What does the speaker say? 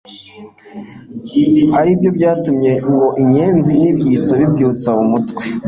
aribyo byatumye ngo inyenzi n'ibyitso bibyutsa umutwe